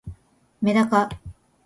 めだか